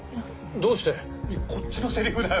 どうして⁉こっちのセリフだよ。